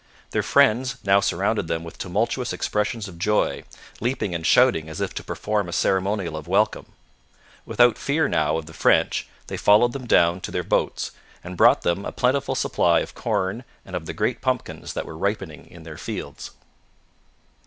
Their friends now surrounded them with tumultuous expressions of joy, leaping and shouting as if to perform a ceremonial of welcome. Without fear now of the French they followed them down to their boats, and brought them a plentiful supply of corn and of the great pumpkins that were ripening in their fields.